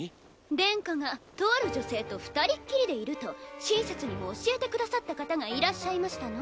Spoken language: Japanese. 殿下がとある女性と二人っきりでいると親切にも教えてくださった方がいらっしゃいましたの。